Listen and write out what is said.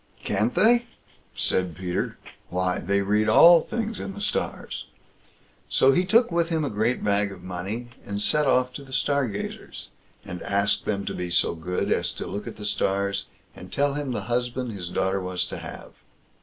"Can't they?" said Peter; "why! they read all things in the stars." So he took with him a great bag of money, and set off to the Stargazers, and asked them to be so good as to look at the stars, and tell him the husband his daughter was to have.